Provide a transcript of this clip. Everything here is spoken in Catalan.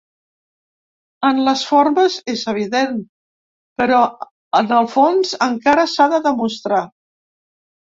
En les formes és evident, però en el fons encara s’ha de demostrar.